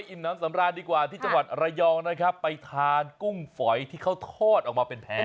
อิ่มน้ำสำราญดีกว่าที่จังหวัดระยองนะครับไปทานกุ้งฝอยที่เขาทอดออกมาเป็นแทน